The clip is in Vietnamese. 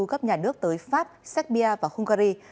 gấp nhà nước tới pháp serbia và hungary